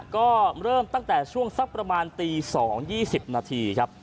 ก็เริ่มตั้งแต่ช่วงสักประมาณตี๒๒๐นาทีครับ